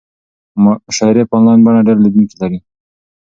مشاعرې په انلاین بڼه ډېر لیدونکي لري.